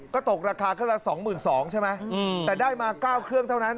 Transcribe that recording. ก็ตกราคาเครื่องละ๒๒๐๐ใช่ไหมแต่ได้มา๙เครื่องเท่านั้น